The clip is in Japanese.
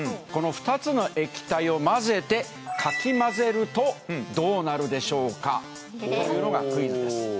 この２つの液体を混ぜてかき混ぜるとどうなるでしょうかというのがクイズです。